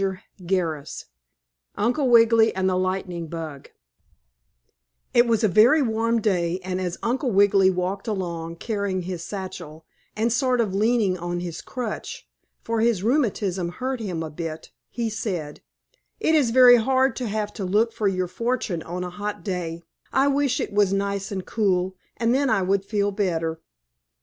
STORY XVIII UNCLE WIGGILY AND THE LIGHTNING BUG It was a very warm day, and as Uncle Wiggily walked along, carrying his satchel, and sort of leaning on his crutch, for his rheumatism hurt him a bit, he said: "It is very hard to have to look for your fortune on a hot day, I wish it was nice and cool, and then I would feel better."